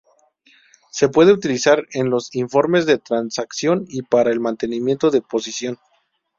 Se puede utilizar en los informes de transacción y para el mantenimiento de posición.